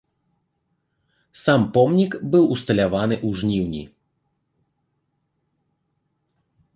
Сам помнік быў усталяваны ў жніўні.